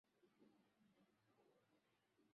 Walipaka rangi nyeupe kwenye chumba chao